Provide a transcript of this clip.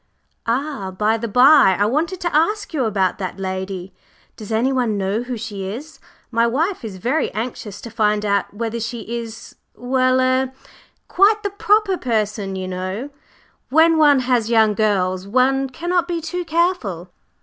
"Ah, by the bye, I wanted to ask you about that lady. Does anyone know who she is? My wife is very anxious to find out whether she is well er quite the proper person, you know! When one has young girls, one cannot be too careful."